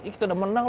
kita udah menang